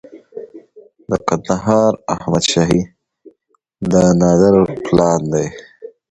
د کندهار احمد شاهي د نادر پلان دی